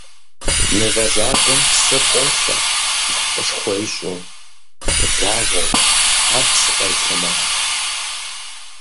Мывэ задэм псыр къолъэ, макъышхуэ ищӀу, гъуагъуэу, ар псыкъелъэ мэхъу.